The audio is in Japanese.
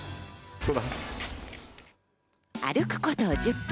歩くこと１０分。